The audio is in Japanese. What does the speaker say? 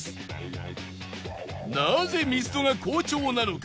なぜミスドが好調なのか